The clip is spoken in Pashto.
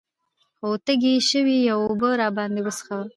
خو تږي شوي يو اوبۀ راباندې وڅښوه ـ